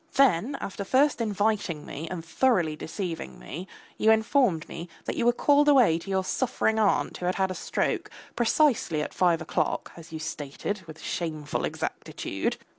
Then after first inviting me and thoroughly deceiving me, you informed me that you were called away to your suffering aunt who had had a stroke, precisely at five o'clock as you stated with shameful exactitude.